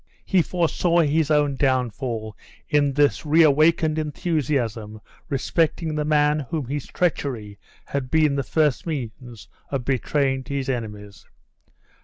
He foresaw his own downfall, in this reawakened enthusiasm respecting the man whom his treachery had been the first means of betraying to his enemies.